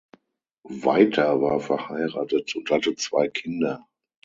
Weiter war verheiratet und hatte zwei Kinder.